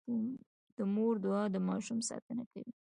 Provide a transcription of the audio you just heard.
د مور دعا د ماشوم ساتنه کوي.